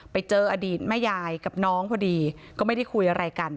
ไปเจออดีตแม่ยายกับน้องพอดีก็ไม่ได้คุยอะไรกัน